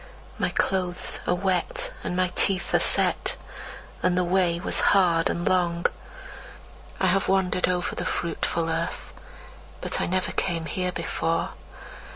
My clothes are wet, and my teeth are set, And the way was hard and long. I have wandered over the fruitful earth, But I never came here before.